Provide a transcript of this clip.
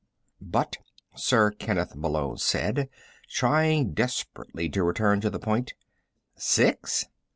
"But," Sir Kenneth Malone said, trying desperately to return to the point. "_Six?